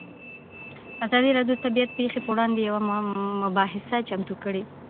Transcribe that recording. ازادي راډیو د طبیعي پېښې پر وړاندې یوه مباحثه چمتو کړې.